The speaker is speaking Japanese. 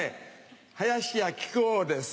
林家木久扇です。